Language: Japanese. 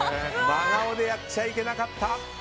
真顔でやっちゃいけなかった。